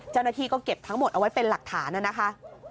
เจ้าหน้าที่ก็เก็บทั้งหมดเอาไว้เป็นหลักฐานนะคะ